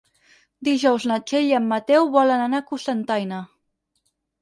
Dijous na Txell i en Mateu volen anar a Cocentaina.